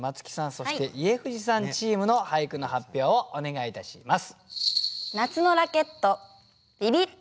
そして家藤さんチームの俳句の発表をお願いいたします。